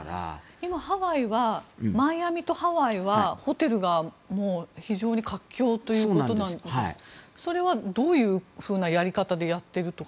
今、ハワイはマイアミとハワイはホテルがもう非常に活況ということなんですがそれはどういうふうなやり方でやっているとか。